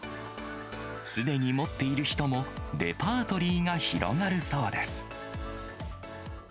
すでに持っている人も、レパートリーが広がるそうです。